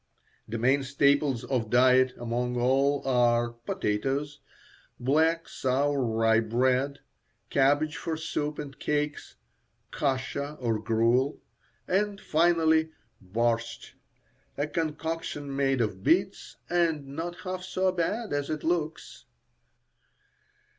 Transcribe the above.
The main staples of diet among all are, potatoes, black, sour rye bread, cabbage for soups and cakes; kascha, or gruel; and, finally barshtsh, a concoction made of beets, and not half so bad as it looks.